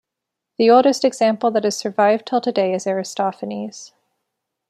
The oldest example that has survived till today is Aristophanes.